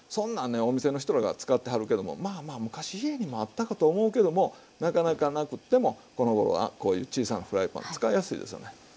お店の人らが使ってはるけどもまあまあ昔家にもあったかと思うけどもなかなかなくってもこのごろはこういう小さなフライパン使いやすいですよね。